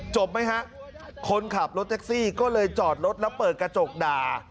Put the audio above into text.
ไหมฮะคนขับรถแท็กซี่ก็เลยจอดรถแล้วเปิดกระจกด่า